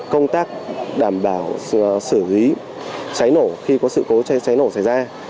công tác đảm bảo sử dụng cháy nổ khi có sự cố cháy nổ xảy ra